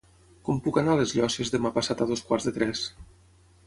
Com puc anar a les Llosses demà passat a dos quarts de tres?